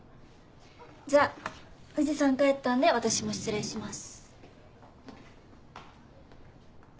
じゃ藤さん帰ったんで私も失礼します。